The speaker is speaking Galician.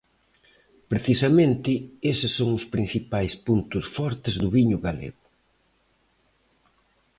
Precisamente eses son os principais puntos fortes do viño galego.